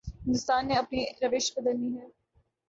ہندوستان نے اپنی روش بدلنی ہے۔